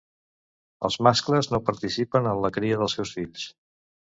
Els mascles no participen en la cria dels seus fills.